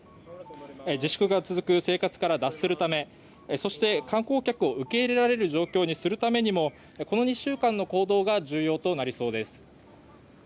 自粛が続く生活から脱するため、そして観光客を受け入れられる状況にするためにも、この２週間の行動が重要となりそうです。